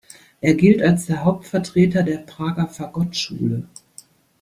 Er gilt als der Hauptvertreter der Prager Fagott-Schule.